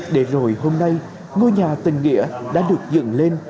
để rồi hôm nay ngôi nhà tình nghĩa đã được dựng lên